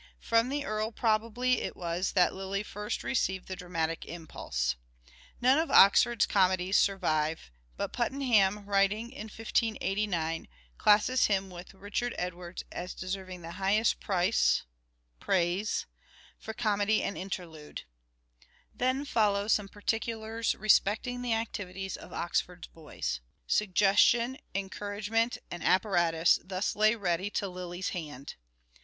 From the Earl probably it was that Lyly first received the dramatic impulse. None of Oxford's comedies survive, but Puttenham, writing in 1589, classes him with Richard Edwards as deserving the highest price (? praise) for comedy and interlude." ... (Then follow some particulars respecting the activities of " Oxford's Boys ")..." Suggestion, encouragement MANHOOD OF DE VER£ : MIDDLE PERIOD 323 and apparatus thus lay ready to Lyly's hand."